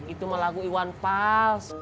itu mah lagu iwan pals